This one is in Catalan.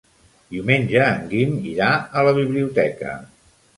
Diumenge en Guim irà a la biblioteca.